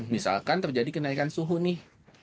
misalkan terjadi kenaikan suhu nih